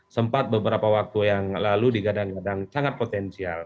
sempat beberapa waktu yang lalu digadang gadang sangat potensial